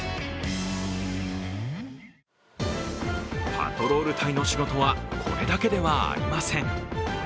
パトロール隊の仕事はこれだけではありません。